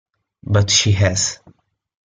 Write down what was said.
But she has.